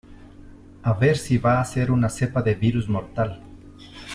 a ver si va a ser una cepa de virus mortal.